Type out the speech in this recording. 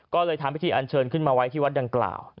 ก็เลยทำพิธีอันเชิญขึ้นมาไว้ที่วัดดังกล่าว